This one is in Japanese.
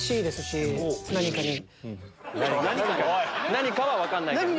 何かは分かんないんだね。